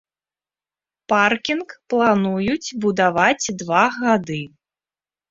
Паркінг плануюць будаваць два гады.